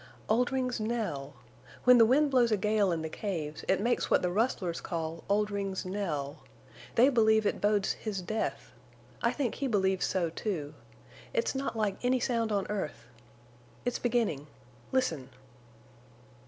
"Oldring's knell. When the wind blows a gale in the caves it makes what the rustlers call Oldring's knell. They believe it bodes his death. I think he believes so, too. It's not like any sound on earth.... It's beginning. Listen!"